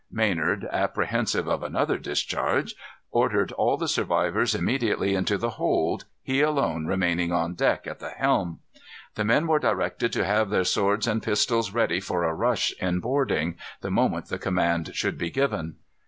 Maynard, apprehensive of another discharge, ordered all the survivors immediately into the hold, he alone remaining on deck, at the helm. The men were directed to have their swords and pistols ready for a rush in boarding, the moment the command should be given.